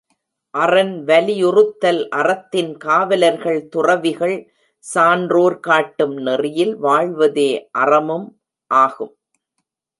அறன் வலியுறுத்தல் அறத்தின் காவலர்கள் துறவிகள் சான்றோர் காட்டும் நெறியில் வாழ்வதே அறமும் ஆகும்.